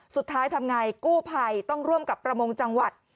ทำไงกู้ภัยต้องร่วมกับประมงจังหวัด